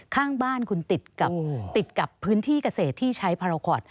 ข้างบ้านคุณติดกับพื้นที่เกษตรที่ใช้พาราคอร์ต